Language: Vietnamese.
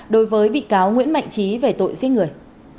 đối với bị cáo nguyễn mạnh trí về tội giết người